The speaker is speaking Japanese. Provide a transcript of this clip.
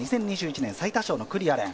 ２０２１年最多勝の九里亜蓮。